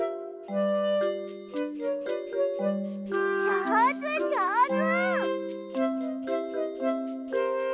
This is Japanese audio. じょうずじょうず。